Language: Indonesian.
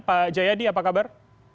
pak jayadi apa kabar